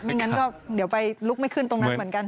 งั้นก็เดี๋ยวไปลุกไม่ขึ้นตรงนั้นเหมือนกัน